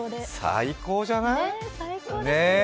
最高じゃない？ねえ。